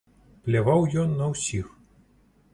Пляваў ён на ўсіх.